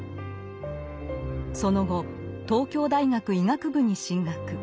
その後東京大学医学部に進学。